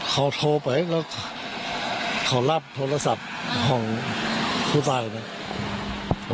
เขาโทรไปแล้วเขารับโทรศัพท์ของผู้ตายนะ